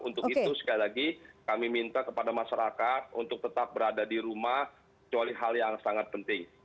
untuk itu sekali lagi kami minta kepada masyarakat untuk tetap berada di rumah kecuali hal yang sangat penting